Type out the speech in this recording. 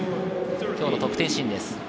きょうの得点シーンです。